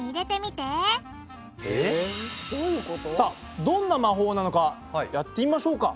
さあどんな魔法なのかやってみましょうか。